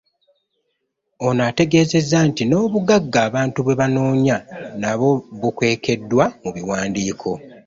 Ono ategeezezza nti n'obuggaga abantu bwebanoonya nabo bukwekeddwa mu biwandiiko.